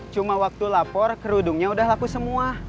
cuma waktu lapor kerudungnya udah laku semua